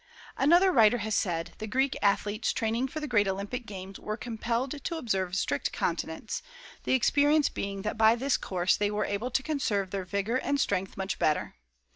Another writer has said: "The Greek athletes training for the great Olympic Games were compelled to observe strict continence, the experience being that by this course they were able to conserve their vigor and strength much better.